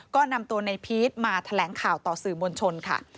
ก็นำตัวในพีชมาแถลงข่าวต่อสื่อมวลชนค่ะ